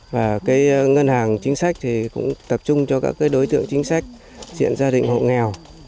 và cái ngân hàng chính sách thì cũng tập trung cho các đối tượng chính sách diện gia đình hộ nghèo